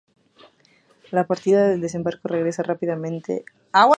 La partida de desembarco regresa rápidamente al "Enterprise".